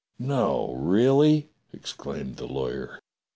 " No, really ?" exclaimed the lawyer.